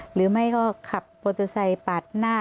หรือไม่ก็ขับโปรโตไซค์ปัดหน้า